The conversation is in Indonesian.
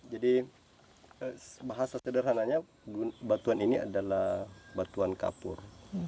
jadi bahasa sederhananya batuan ini adalah batuan kapur